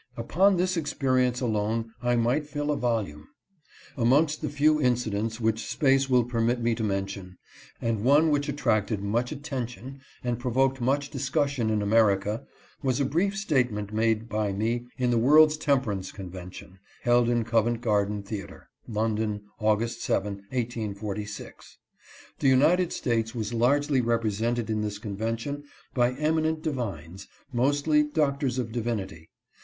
Upon this ex perTeiic^=^imFl"might iirl ~a volume. Amongst the few incidents which space will permit me to mention, and one which attracted much attention and provoked much dis cussion in America, was a brief statement made by me in the World's Temperance Convention, held in Covent Garden theatre, London, August 7, 1846. The United States was largely represented in this convention by eminent divines, mostly doctors of divinity.